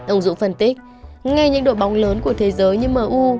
ông dũng phân tích ngay những đội bóng lớn của thế giới như m u